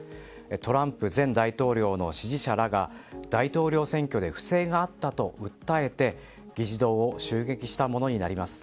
トランプ前大統領の支持者らが大統領選挙で不正があったと訴えて議事堂を襲撃したものになります。